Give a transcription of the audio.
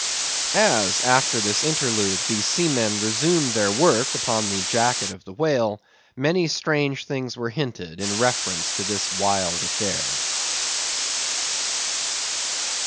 As, after this interlude, the seamen resumed their work upon the jacket of the whale, many strange things were hinted in reference to this wild affair.